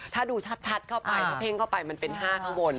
ถ้าดูชัดเข้าไปถ้าเพ่งเข้าไปมันเป็น๕ข้างบน